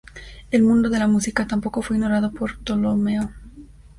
El mundo de la música tampoco fue ignorado por Ptolomeo.